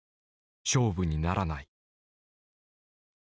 勝負にならない。